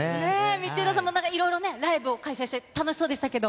道枝さんもいろいろね、ライブを開催して、楽しそうでしたけど。